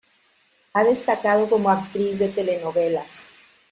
Ha destacado como actriz de telenovelas.